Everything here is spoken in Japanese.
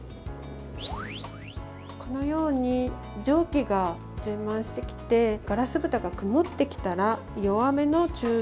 このように蒸気が充満してきてガラスぶたが曇ってきたら弱めの中火にします。